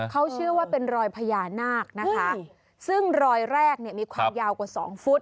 เขาเชื่อว่าเป็นรอยพญานาคซึ่งรอยแรกมีความยาวกว่า๒ฟุต